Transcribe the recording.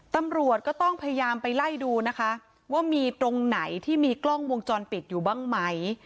ตำรวจก็ต้องพยายามไปไล่ดูนะคะว่ามีตรงไหนที่มีกล้องวงจรปิดอยู่บ้างไหม